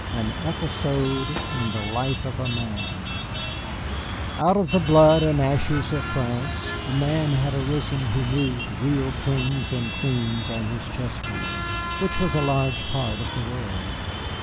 AN EPISODE IN THE LIFE OF A MAN Out of the blood and ashes of France a Man had arisen who moved real kings and queens on his chess board which was a large part of the world.